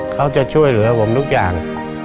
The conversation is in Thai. เขาจะช่วยเหลือผมทุกอย่าง